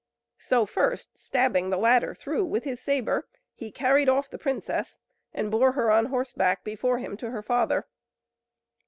So first stabbing the latter through with his sabre, he carried off the princess, and bore her on horseback before him to her father.